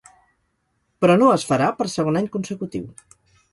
Però no es farà per segon any consecutiu.